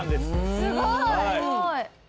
すごい！